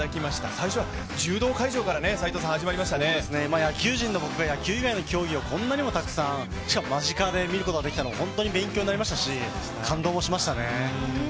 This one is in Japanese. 最初は柔道会場から野球人の僕が野球以外の競技をこんなにもたくさん、しかも間近で見ることができたのは本当に勉強になりましたし感動もしましたね。